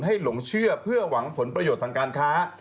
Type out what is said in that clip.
หลงเชื่อเพื่อหวังผลประโยชน์ทางการค้า